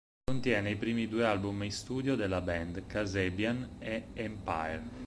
Contiene i primi due album in studio della band, "Kasabian" e "Empire".